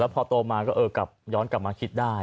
พอโตมาก็ย้อนกลับมาคิดได้